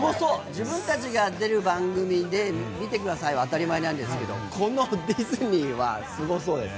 自分たちが出る番組で、見てくださいは当たり前なんですけどこのディズニーはすごそうです。